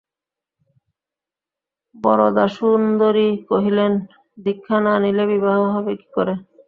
বরদাসুন্দরী কহিলেন, দীক্ষা না নিলে বিবাহ হবে কী করে?